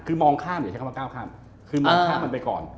คือมองข้ามมันไปก่อน